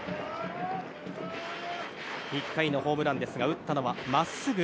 １回のホームランですが打ったのは、真っすぐ。